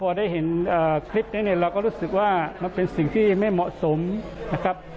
พอได้เห็นคลิปนี้เนี่ยเราก็รู้สึกว่ามันเป็นสิ่งที่ไม่เหมาะสมนะครับ